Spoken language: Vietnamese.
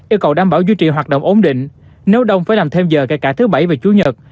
yêu cầu đảm bảo duy trì hoạt động ổn định nếu đông phải làm thêm giờ kể cả thứ bảy và chủ nhật